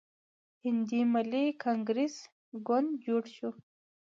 هندي ملي کانګریس ګوند جوړ شو.